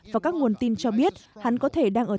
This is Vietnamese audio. và các nguồn tin cho biết hắn có thể đang ở